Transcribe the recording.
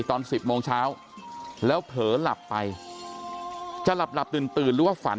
ตอน๑๐โมงเช้าแล้วเผลอหลับไปจะหลับหลับตื่นตื่นหรือว่าฝัน